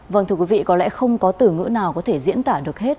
vâng thưa quý vị có lẽ không có từ ngữ nào có thể diễn tả được hết